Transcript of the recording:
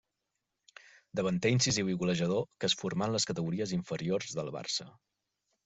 Davanter incisiu i golejador que es formà en les categories inferiors del Barça.